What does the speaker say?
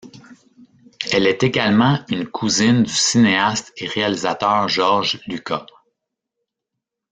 Elle est également une cousine du cinéaste et réalisateur George Lucas.